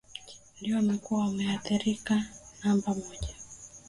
ndio wamekuwa waadhirika namba moja